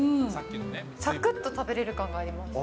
さくっと食べれる感があります。